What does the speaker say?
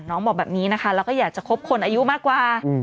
บอกแบบนี้นะคะแล้วก็อยากจะคบคนอายุมากกว่า